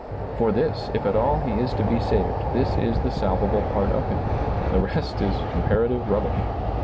For this, if at all he is to be saved — this is the salvable part of him ; the rest is comparative rubbish.